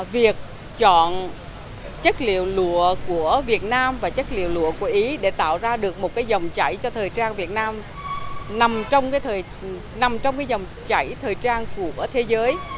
việc chọn chất liệu lụa của việt nam và chất liệu lụa của ý để tạo ra được một cái dòng chảy cho thời trang việt nam nằm trong cái dòng chảy thời trang của thế giới